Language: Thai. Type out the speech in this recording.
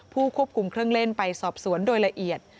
ผู้ควบคุมเครื่องเล่นไปสอบสวนโดยละเอียด